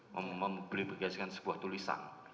mempengaruhi sebuah tulisan